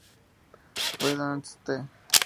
Fue Dan St.